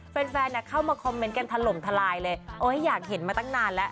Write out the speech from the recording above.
แฟนแฟนเนี้ยเข้ามาคอมเมนต์กันทะลมทะลายเลยอยากเห็นมาตั้งนานแล้ว